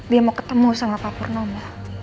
dia mau ketemu sama pak purnomo